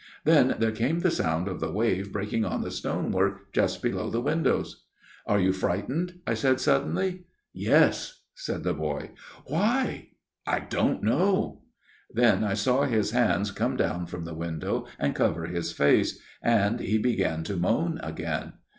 Then there came the sound of the wave breaking on the stonework just below the windows. "' Are you frightened ?' I said suddenly. "' Yes/ said the boy. "' Why ?'"' I don't know/ " Then I saw his hands come down from the window and cover his face, and he began to moan again.